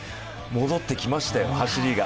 戻ってきまして、走りが。